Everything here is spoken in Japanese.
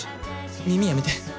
耳やめて。